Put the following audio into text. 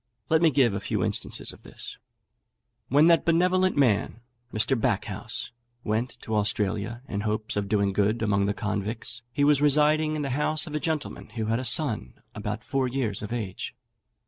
Let me give a few instances of this. When that benevolent man, Mr. Backhouse, went to Australia, in hopes of doing good among the convicts, he was residing in the house of a gentleman who had a son about four years of age.